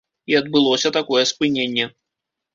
І адбылося такое спыненне.